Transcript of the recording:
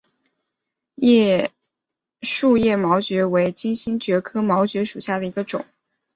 坚叶毛蕨为金星蕨科毛蕨属下的一个种。